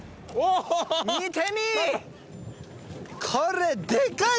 見てみい！